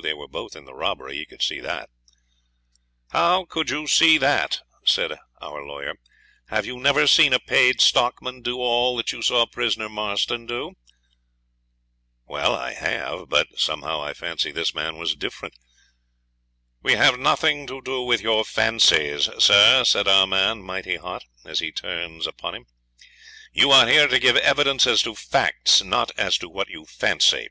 They were both in the robbery; he could see that.' 'How could you see that?' said our lawyer. 'Have you never seen a paid stockman do all that you saw prisoner Marston do?' 'Well, I have; but somehow I fancy this man was different.' 'We have nothing to do with your fancies, sir,' says our man, mighty hot, as he turns upon him; 'you are here to give evidence as to facts, not as to what you fancy.